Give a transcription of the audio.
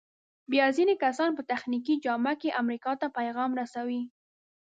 بیا ځینې کسان په تخنیکي جامه کې امریکا ته پیغام رسوي.